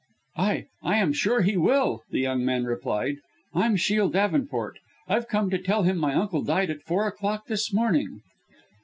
"I I am sure he will," the young man replied, "I'm Shiel Davenport. I've come to tell him my uncle died at four o'clock this morning."